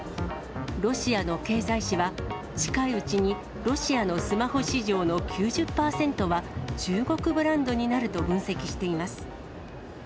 ロシアの経済紙は、近いうちにロシアのスマホ市場の９０％は、中国ブランドになると分析しています。